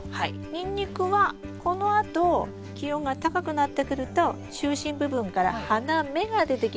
ニンニクはこのあと気温が高くなってくると中心部分から花芽が出てきます。